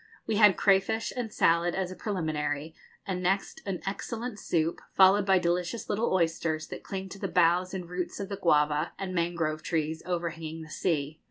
We had crayfish and salad as a preliminary, and next, an excellent soup followed by delicious little oysters, that cling to the boughs and roots of the guava and mangrove trees overhanging the sea.